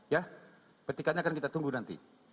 ya petikannya akan kita tunggu nanti